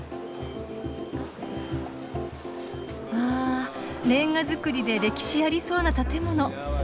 あレンガ造りで歴史ありそうな建物。